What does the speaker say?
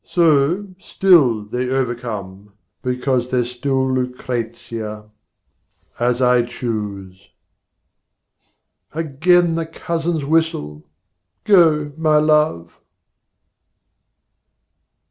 So still they overcome Because there's still Lucrezia, as I choose. Again the Cousin's whistle! Go, my Love.